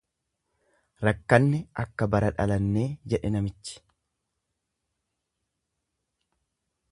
Rakkanne akka bara dhalannee jedhe namichi.